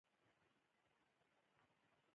وحشي حیوانات د افغانستان په اوږده تاریخ کې ذکر شوي دي.